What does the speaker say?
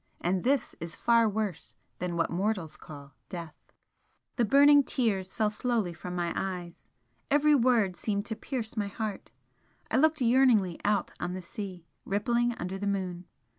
And this is far worse than what mortals call death." The burning tears fell slowly from my eyes every word seemed to pierce my heart I looked yearningly out on the sea, rippling under the moon.